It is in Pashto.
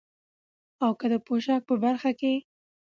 او که د پوشاک په برخه کې،